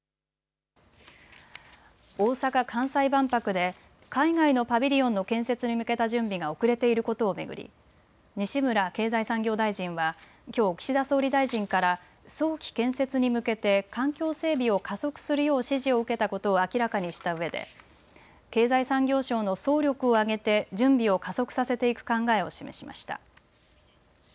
大阪・関西万博で海外のパビリオンの建設に向けた準備が遅れていることを巡り西村経済産業大臣はきょう岸田総理大臣から早期建設に向けて環境整備を加速するよう指示を受けたことを明らかにしたうえで経済産業省の総力を挙げて準備を加速させていく考えを示しました。